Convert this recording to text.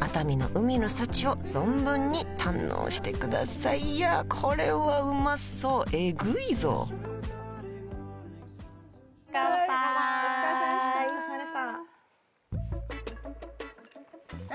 熱海の海の幸を存分に堪能してくださいいやこれはうまそうエグいぞ乾杯お疲れさまでしたああ